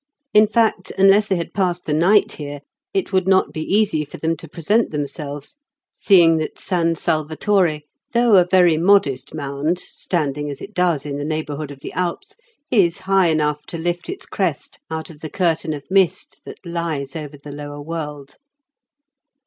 In fact, unless they had passed the night here it would not be easy for them to present themselves, seeing that San Salvatore, though a very modest mound, standing as it does in the neighbourhood of the Alps, is high enough to lift its crest out of the curtain of mist that lies over the lower world.